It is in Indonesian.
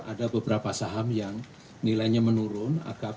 ada beberapa saham yang nilainya menurun